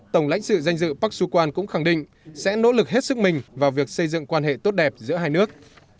tổng lãnh sự danh dự park sukhan cũng khẳng định sẽ nỗ lực hết sức mình vào việc xây dựng quan hệ tốt đẹp giữa hai nước